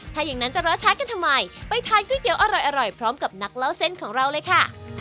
ถ้าอย่างนั้นจะรอช้ากันทำไมไปทานก๋วยเตี๋ยวอร่อยพร้อมกับนักเล่าเส้นของเราเลยค่ะ